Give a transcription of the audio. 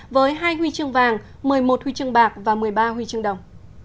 với hai huy chương vàng một mươi một huy chương bạc và một mươi ba huy chương đồng